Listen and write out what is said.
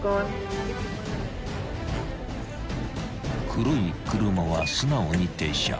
［黒い車は素直に停車］